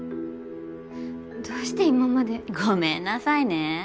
どうして今まで。ごめんなさいね。